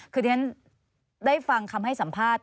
คือที่ฉันได้ฟังคำให้สัมภาษณ์